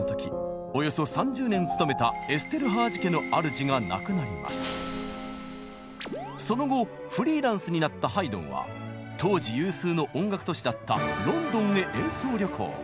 およそ３０年勤めたその後フリーランスになったハイドンは当時有数の音楽都市だったロンドンへ演奏旅行。